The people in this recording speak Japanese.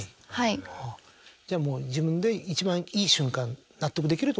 じゃあもう自分で一番いい瞬間納得できるところで？